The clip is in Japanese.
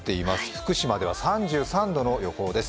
福島では３３度の予報です。